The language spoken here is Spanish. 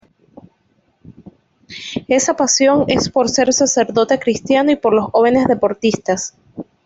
Esa pasión es por ser sacerdote cristiano y por los jóvenes deportistas.